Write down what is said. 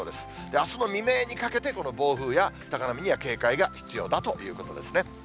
あすの未明にかけて、この暴風や高波には警戒が必要だということですね。